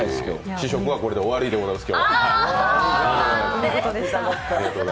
試食はこれで終わりでございます。